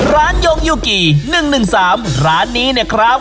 ร้านย่องยูกีหนึ่งหนึ่งสามร้านนี้เนี่ยครับ